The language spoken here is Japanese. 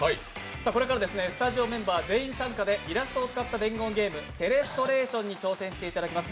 これからスタジオメンバー全員参加でイラストを用いた伝言ゲーム「テレストレーション」に挑戦していただきます。